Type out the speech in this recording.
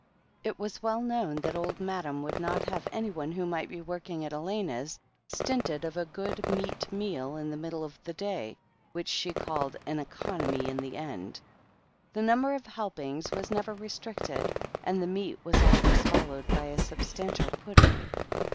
It was well known that Old Madam would not have anyone who might be working at Elena's stinted of a good meat meal in the middle of the day, which she called "an economy in the end." The number of help ings was never restricted, and the meat was always followed by a substantial pudding.